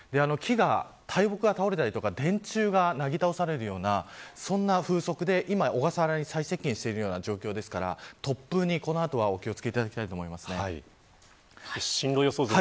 大木が倒れたり電柱がなぎ倒されるようなそんな風速で今、小笠原に最接近している状況ですから突風にこの後はお気を付けいただきたいと進路予想図を